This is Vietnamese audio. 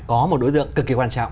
có một đối tượng cực kỳ quan trọng